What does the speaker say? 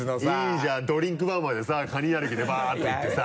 いいじゃんドリンクバーまでさカニ歩きでバッと行ってさ。